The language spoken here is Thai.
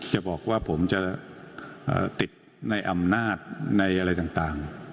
จะบอกว่าผมจะติดในอำนาจในอะไรต่าง